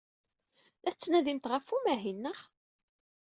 La tettnadimt ɣef umahil, naɣ?